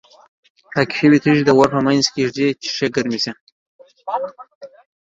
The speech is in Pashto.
پاکې شوې تیږې د اور په منځ کې ږدي چې ښې ګرمې شي.